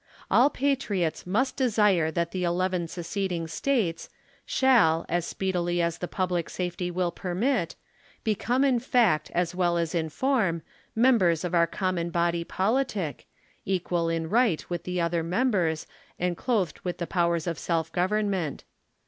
All patriots must desire that the eleven seceding States, shall, as speedily as the public safety will permit, become in fact as well as in form, members of our com mon bod}' politic, equal in right with the other members and clothed with the powers of self government.